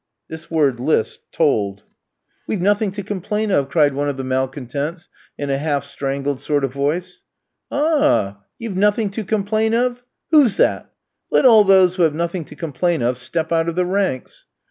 This word "list" told. "We've nothing to complain of!" cried one of the malcontents, in a half strangled sort of voice. "Ah, you've nothing to complain of! Who's that? Let all those who have nothing to complain of step out of the ranks."